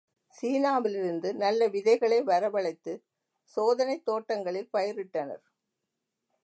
சீனாவிலிருந்து நல்ல விதைகளை வரவழைத்துச் சோதனைத் தோட்டங்களில் பயிரிட்டனர்.